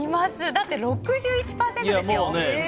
だって、６１％ですよ。